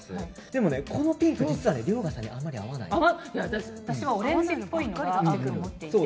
でもね、このピンク実は遼河さんにあまり合わないの。